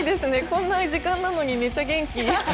こんな時間なのに、めちゃ元気。